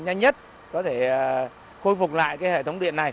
nhanh nhất có thể khôi phục lại cái hệ thống điện này